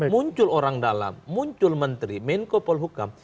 muncul orang dalam muncul menteri menko polhukam